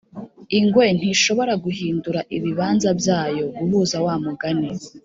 ingwe ntishobora guhindura ibibanza byayo guhuza wa mugani